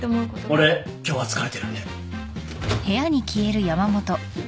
俺今日は疲れてるんで。